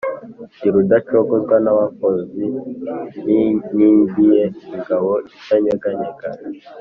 Ndi Rudacogozwa n’abafozi, nikingiye ingabo itanyeganyega